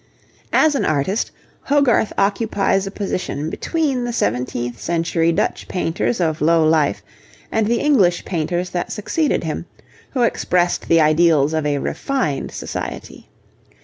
As an artist, Hogarth occupies a position between the seventeenth century Dutch painters of low life and the English painters that succeeded him, who expressed the ideals of a refined society.